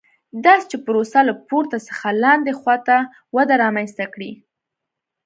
داسې چې پروسه له پورته څخه لاندې خوا ته وده رامنځته کړي.